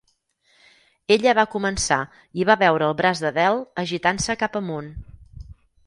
Ella va començar i va veure el braç d'Adele agitant-se cap amunt.